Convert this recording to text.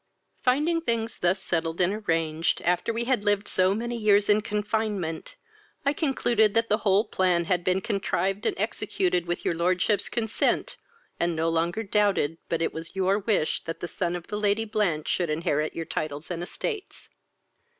Finding things thus settled and arranged, after we had lived so many years in confinement, I concluded that the whole plan had been contrived and executed with your lordship's consent, and no longer doubted but it was your wish that the son of the Lady Blanch should inherit your titles and estates."